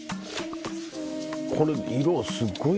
これ色すごい。